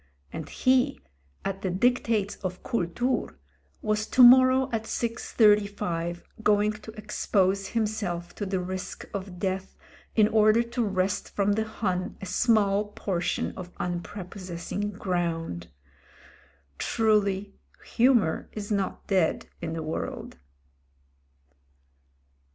And he — ^at the dictates of ^'Kultur*' — ^was to morrow at 6.35 going to expose himself to the risk of death, in order to wrest from the Hun a small portion of unpre possessing ground. Truly, humour is not dead in the world!